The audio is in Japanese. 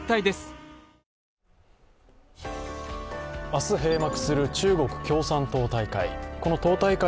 明日閉幕する中国共産党大会。